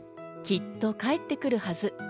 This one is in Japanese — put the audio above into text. きっと帰ってくるはず。